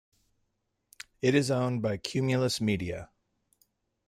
It is owned by Cumulus Media.